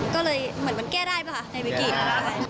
ก็เลยเหมือนมันแก้ได้ป่ะคะในวิกฤต